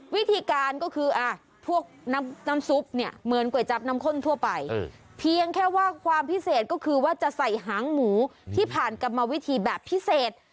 วิธีการก็คือพวกน้ำซุปเนี่ยเหมือนก๋วยจับน้ำข้นทั่วไปเพียงแค่ว่าความพิเศษก็คือว่าจะใส่หางหมูที่ผ่านกรรมวิธีแบบพิเศษ